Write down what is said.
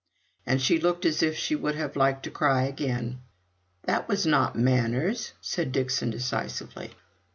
And she looked as if she should have liked to cry again. "That was not manners," said Dixon, decisively.